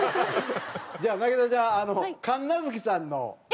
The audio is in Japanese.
じゃあ凪咲ちゃん神奈月さんの。